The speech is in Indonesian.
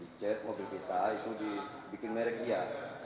dicek mobil kita itu dibikin merek dia